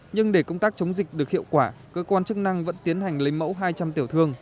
nhưng để công tác chống dịch được hiệu quả cơ quan chức năng vẫn tiến hành lấy mẫu hai trăm linh tiểu thương